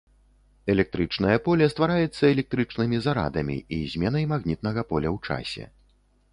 Электрычнае поле ствараецца электрычнымі зарадамі і зменай магнітнага поля ў часе.